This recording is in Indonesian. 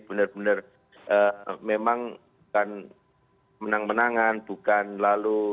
benar benar memang bukan menang menangan bukan lalu